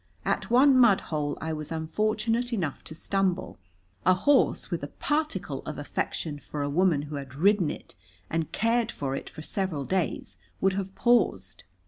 At one mudhole I was unfortunate enough to stumble. A horse with a particle of affection for a woman who had ridden it and cared for it for several days would have paused.